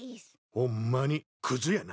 ホンマにクズやな。